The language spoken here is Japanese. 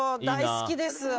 大好きです。